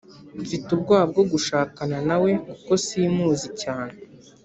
Mfite ubwoba bwo gushakana nawe kuko si muzi cyane